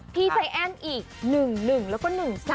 พี่ใส่แอ้นอีก๑๑แล้วก็๑๓